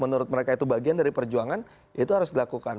menurut mereka itu bagian dari perjuangan itu harus dilakukan